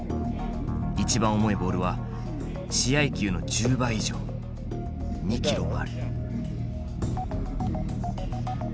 一番重いボールは試合球の１０倍以上２キロもある。